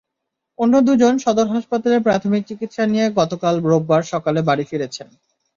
অন্য দুজন সদর হাসপাতালে প্রাথমিক চিকিৎসা নিয়ে গতকাল রোববার সকালে বাড়ি ফিরেছেন।